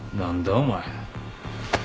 お前。